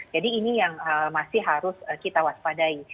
jadi ini yang masih harus kita waspadai